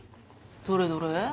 どれどれ？